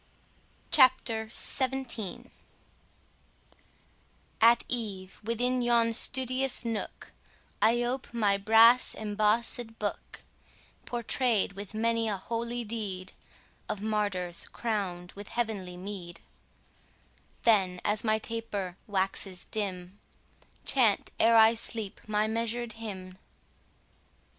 22 CHAPTER XVII At eve, within yon studious nook, I ope my brass embossed book, Portray'd with many a holy deed Of martyrs crown'd with heavenly meed; Then, as my taper waxes dim, Chant, ere I sleep, my measured hymn.